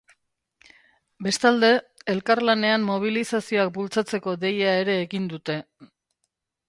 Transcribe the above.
Bestalde, elkarlanean mobilizazioak bultzatzeko deia ere egin dute.